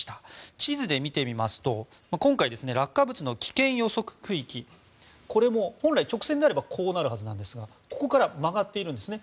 地図で見てみますと今回、落下物の危険予想区域本来直線であればこうなるはずなんですがここから曲がっているんですね。